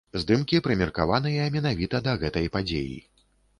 Здымкі прымеркаваныя менавіта да гэтай падзеі.